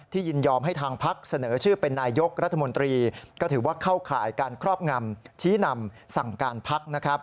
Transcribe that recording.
ยินยอมให้ทางพักเสนอชื่อเป็นนายกรัฐมนตรีก็ถือว่าเข้าข่ายการครอบงำชี้นำสั่งการพักนะครับ